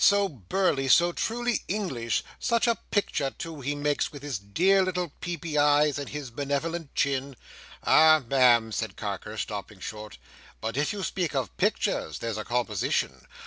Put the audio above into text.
So burly. So truly English. Such a picture, too, he makes, with his dear little peepy eyes, and his benevolent chin!" "Ah, Ma'am!" said Carker, stopping short; "but if you speak of pictures, there's a composition!